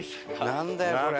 なんだよこれ。